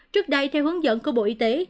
trước đây theo hướng dẫn của bộ y tế